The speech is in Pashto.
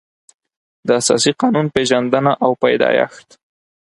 د اساسي قانون پېژندنه او پیدایښت